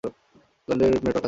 লন্ডনে এরুপ নেটওয়ার্ক আছে।